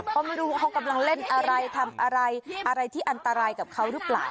เพราะไม่รู้ว่าเขากำลังเล่นอะไรทำอะไรที่อันตรายกับเขาหรือเปล่า